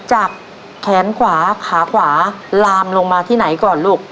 จากแขนขวาขาขวาลามลงมาที่ไหนก่อนลูก